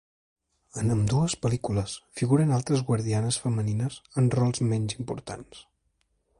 En ambdues pel·lícules figuren altres guardianes femenines en rols menys importants.